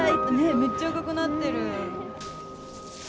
めっちゃ赤くなってる。